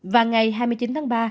và ngày hai mươi chín tháng ba